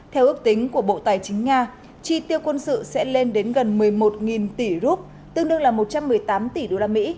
theo ước tính của bộ tài chính nga chi tiêu quân sự sẽ lên đến gần một mươi một tỷ rup tương đương là một trăm một mươi tám tỷ usd